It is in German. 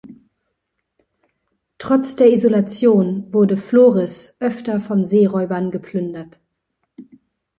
Trotz der Isolation wurde Flores öfter von Seeräubern geplündert.